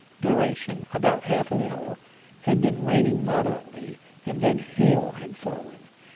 duration about half an hour; had been raining moderately, and then hail had fallen.